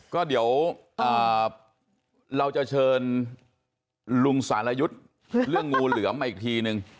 ก็เดี๋ยวเราจะเชิญลุงสารยุทธ์เรื่องงูเหลือมมาอีกทีนึง